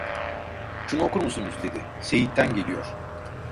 "Şunu okur musunuz?" dedi, "Seyit'ten geliyor!"